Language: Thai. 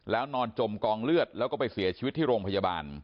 แล้วนอนจมกองเลือดแล้วก็ไปเสียชีวิตที่โรงพยาบาล